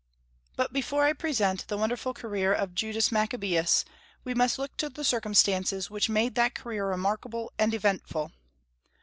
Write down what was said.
But before I present the wonderful career of Judas Maccabaeus, we must look to the circumstances which made that career remarkable and eventful.